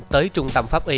tới trung tâm pháp y